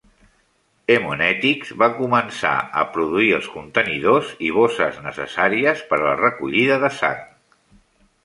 Haemonetics va començar a produir els contenidors i bosses necessaris per a la recollida de sang.